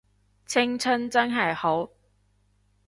青春真係好